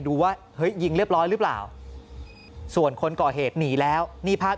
ดูว่าเฮ้ยยิงเรียบร้อยหรือเปล่าส่วนคนก่อเหตุหนีแล้วนี่ภาพ